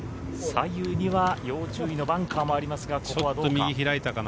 左右には要注意のバンカーもありますがここはどうか。